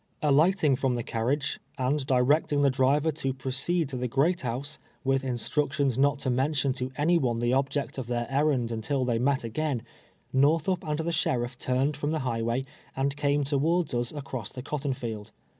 Aligliting from the car riage, and directing the driver to proceed to the great house, with instructions not to mention to any one the object of their errand until they met again, Korth up and the sheriff turned from the highway, and came towards us across the cotton field.